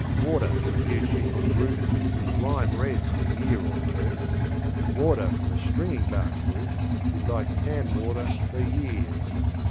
Water from a new shingle roof is wine red for a year or two, and water from a stringy bark roof is like tan water for years.